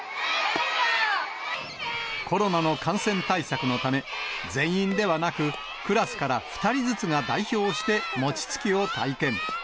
コロナの感染対策のため、全員ではなく、クラスから２人ずつが代表して餅つきを体験。